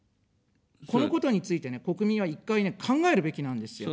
このことについてね、国民は１回ね、考えるべきなんですよ。